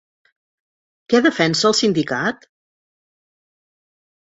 Què defensa el sindicat?